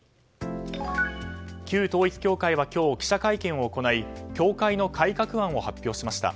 旧統一教会は今日記者会見を行い教会の改革案を発表しました。